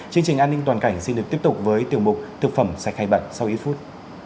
chương trình an ninh toàn cảnh xin được tiếp tục với tiểu mục thực phẩm sạch khai bận sau ít phút